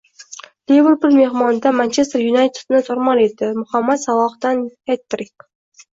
“Liverpul” mehmonda “Manchester Yunayted”ni tor-mor etdi, Muhammad Salohdan het-trik